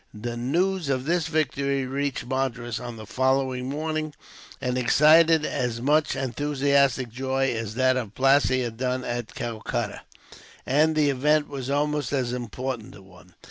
The news of this victory reached Madras on the following morning, and excited as much enthusiastic joy as that of Plassey had done at Calcutta; and the event was almost as important a one.